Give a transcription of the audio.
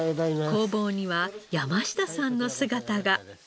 工房には山下さんの姿が。